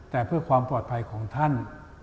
แต่เพื่อความปลอดภัยของท่าน